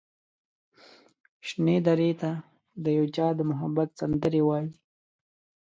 شنې درې ته د یو چا د محبت سندرې وايي